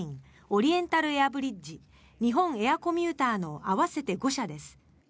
オリエンタルエアブリッジ日本エアコミューターの合わせて５社です。